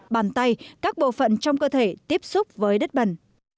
bàn tay các bộ phận trong cơ thể tiếp xúc với đất bần